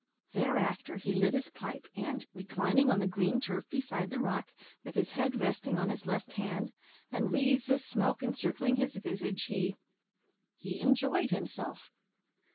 Thereafter he lit his pipe, and, reclining on the green turf beside the rock, with his head resting on his left hand, and wreaths of smoke encircling his visage, he he enjoyed himself.